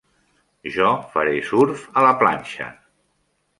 Jo faré surf a la planxa.